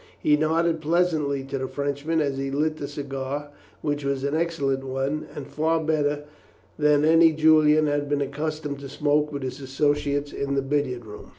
He nodded pleasantly to the Frenchman as he lit the cigar, which was an excellent one, and far better than any Julian had been accustomed to smoke with his associates in the billiard room.